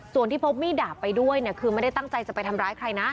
ส่วนที่พกมีดดาบไปด้วยเนี่ยคือไม่ได้ตั้งใจจะไปทำร้ายใครนะ